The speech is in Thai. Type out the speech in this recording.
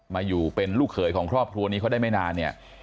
มาอยู่เป็นลูกเขยของครอบครัวนี้เขาได้ไม่นานเนี่ย